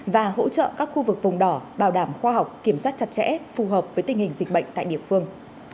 và hỗ trợ các khu vực vùng đỏ bảo đảm khoa học kiểm soát chặt chẽ phù hợp với tình hình dịch bệnh tại địa phương